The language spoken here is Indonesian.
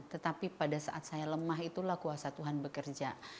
tetapi pada saat saya lemah itulah kuasa tuhan bekerja